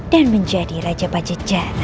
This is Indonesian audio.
dan menjadi raja pajejar